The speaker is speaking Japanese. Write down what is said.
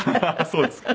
そうですか。